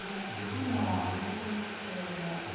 カメラが揺れていますけど。